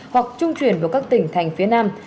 hoặc trung chuyển vào các tỉnh thành phía nam